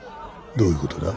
どういう事だ？